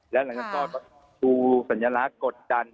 แล้วหลังจากนั้นก็ชูสัญลักษณ์กดดัน